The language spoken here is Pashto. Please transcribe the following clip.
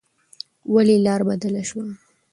ولې لار بدله شوه؟